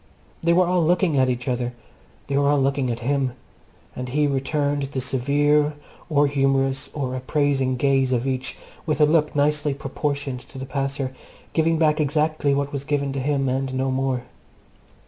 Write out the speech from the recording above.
They were all looking at each other. They were all looking at him; and he returned the severe, or humourous, or appraising gaze of each with a look nicely proportioned to the passer, giving back exactly what was given to him, and no more.